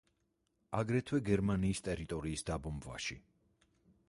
აგრეთვე გერმანიის ტერიტორიის დაბომბვაში.